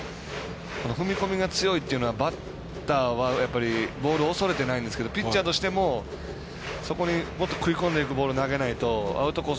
踏み込みが強いっていうのはバッターはボールを恐れてないんですけどピッチャーとしてもそこに食い込んでいくボールを投げないとアウトコース